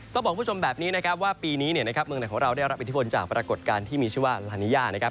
ต้องบอกคุณผู้ชมแบบนี้นะครับว่าปีนี้เนี่ยนะครับเมืองไหนของเราได้รับอิทธิพลจากปรากฏการณ์ที่มีชื่อว่าลานิยานะครับ